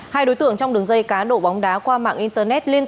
hai đối tượng trong đường dây cá đổ bóng đá qua mạng internet